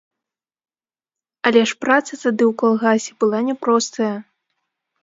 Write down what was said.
Але ж праца тады ў калгасе была няпростая.